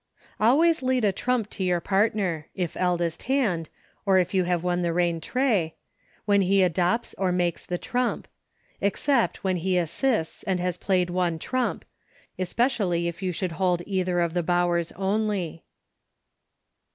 Always lead a trump to your partner — if eldest hand, or you have won the rentree — when he adopts or makes the trump — except when he assists and has played one trump — especially if you should hold either of the Bowers only.